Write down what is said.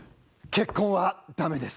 結婚は駄目です！